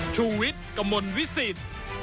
ชุวิตกมลวิสิต